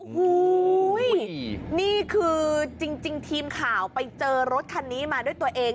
โอ้โหนี่คือจริงทีมข่าวไปเจอรถคันนี้มาด้วยตัวเอง